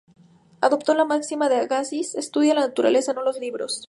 Adoptó la máxima de Agassiz: "¡estudia la naturaleza, no los libros!